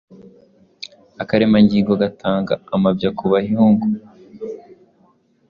Akaremangingo gatanga amabya kubahungu